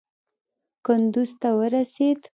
کندوز ته ورسېد.